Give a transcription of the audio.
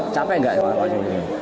capek nggak kalau ikut ini